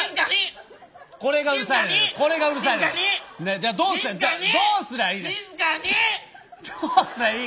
じゃどうすりゃいいの？